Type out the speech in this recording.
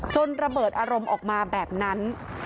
ระเบิดอารมณ์ออกมาแบบนั้น